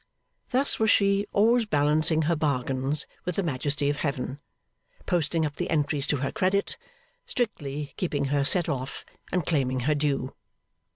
Thus was she always balancing her bargains with the Majesty of heaven, posting up the entries to her credit, strictly keeping her set off, and claiming her due.